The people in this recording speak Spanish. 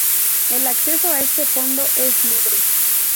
El acceso a este fondo es libre.